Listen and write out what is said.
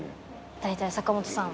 大体坂本さん